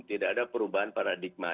tidak ada perubahan paradigma